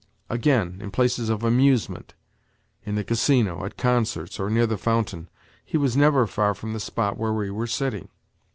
Again, in places of amusement—in the Casino, at concerts, or near the fountain—he was never far from the spot where we were sitting.